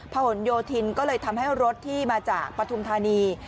ผนโยธินก็เลยทำให้รถที่มาจากปฐุมธานี